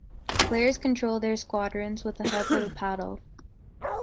Players control their squadrons with the help of a paddle.